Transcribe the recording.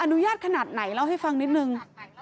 อนุญาตขนาดไหนเล่าให้ฟังนิดนึง